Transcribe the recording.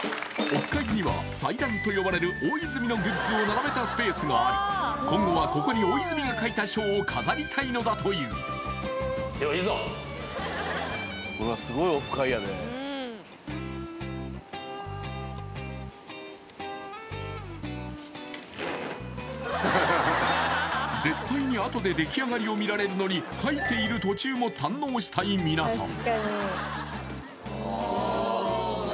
オフ会には祭壇とよばれる大泉のグッズを並べたスペースがあり今後はここに大泉が書いた書を飾りたいのだという絶対にあとでできあがりを見られるのに書いている途中も堪能したい皆さん